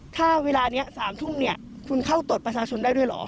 ถ้าเวลานี้๓ทุ่มเนี่ยคุณเข้าตรวจประชาชนได้ด้วยเหรอ